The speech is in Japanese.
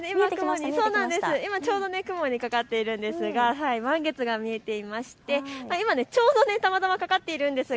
今ちょうど雲にかかっているんですが満月が見えていまして今ちょうどたまたまかかっているんですが